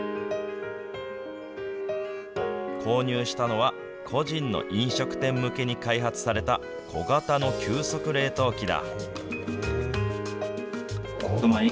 購入したのは、個人の飲食店向けに開発された小型の急速冷凍機だ。